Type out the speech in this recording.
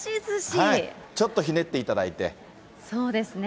ちょっとひねっていただいて。